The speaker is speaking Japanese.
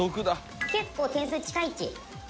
結構点数近いッチ。